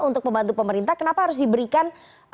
untuk membantu pemerintah kenapa harus diberikan